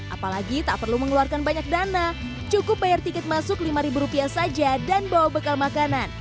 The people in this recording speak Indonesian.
apalagi tak perlu mengeluarkan banyak dana cukup bayar tiket masuk lima rupiah saja dan bawa bekal makanan